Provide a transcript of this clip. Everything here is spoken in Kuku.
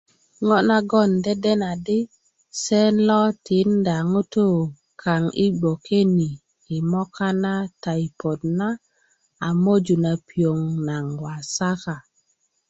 ŋo nagon denda di se lo tinda ŋutu i bgwoke ni i moka na tayipöt na a möju na piöŋ naŋ wasaka